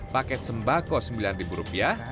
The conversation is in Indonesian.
paket sembako sembilan ribu rupiah